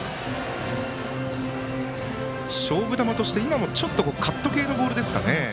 勝負球として今もカット系のボールですかね。